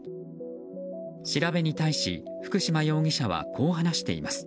調べに対し福島容疑者はこう話しています。